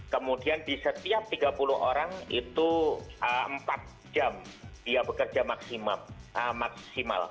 kemudian di setiap tiga puluh orang itu empat jam dia bekerja maksimal